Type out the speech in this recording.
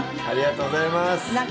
ありがとうございます。